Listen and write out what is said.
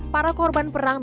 para korban perangnya